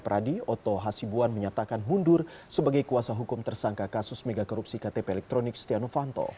pradi oto hasibuan menyatakan mundur sebagai kuasa hukum tersangka kasus megakorupsi ktp elektronik setia novanto